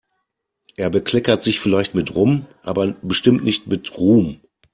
Er bekleckert sich vielleicht mit Rum, aber bestimmt nicht mit Ruhm.